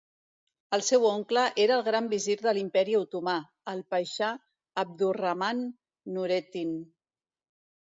El seu oncle era el gran visir de l'imperi otomà, el paixà Abdurrahman Nurettin.